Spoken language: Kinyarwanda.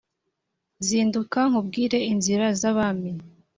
zinduka nkubwire inzira z'abami